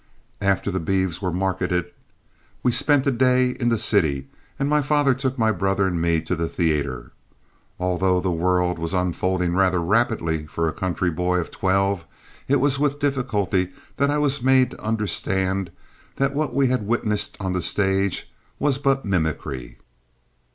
After the beeves were marketed we spent a day in the city, and my father took my brother and me to the theatre. Although the world was unfolding rather rapidly for a country boy of twelve, it was with difficulty that I was made to understand that what we had witnessed on the stage was but mimicry.